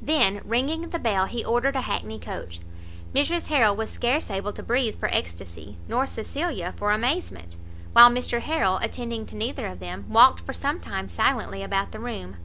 Then ringing the bell, he ordered a hackney coach. Mrs Harrel was scarce able to breathe for extacy, nor Cecilia for amazement; while Mr Harrel, attending to neither of them, walked for some time silently about the room.